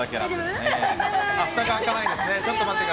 ふたが開かないですね。